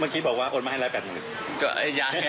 เมื่อกี้บอกวะโอนไหม้ละแบบหนึ่ง